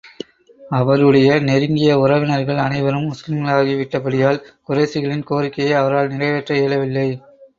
அவருடைய நெருங்கிய உறவினர்கள் அனைவரும் முஸ்லிம்களாகி விட்ட படியால், குறைஷிகளின் கோரிக்கையை அவரால் நிறைவேற்ற இயலவில்லை.